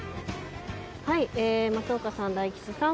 はい松岡さん大吉さん